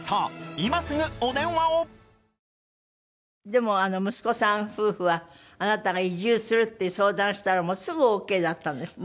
でも息子さん夫婦はあなたが移住するっていう相談したらもうすぐオーケーだったんですって？